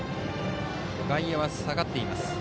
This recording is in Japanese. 外野は下がっています。